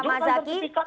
tidak ada sertifikat